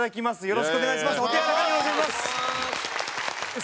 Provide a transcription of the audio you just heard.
よろしくお願いします！